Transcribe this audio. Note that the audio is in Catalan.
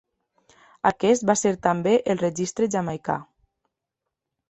Aquest va ser també el registre jamaicà.